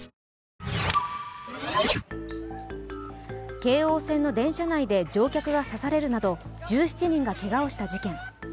京王線の電車内で乗客が刺されるなど１７人がけがをした事件。